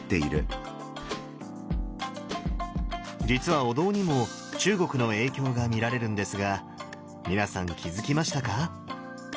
実はお堂にも中国の影響が見られるんですが皆さん気付きましたか？